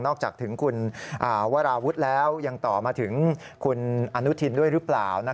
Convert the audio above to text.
จากถึงคุณวราวุฒิแล้วยังต่อมาถึงคุณอนุทินด้วยหรือเปล่า